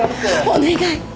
お願い！